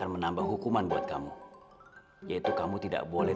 non harus tidur disini